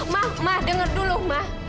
ma ma denger dulu ma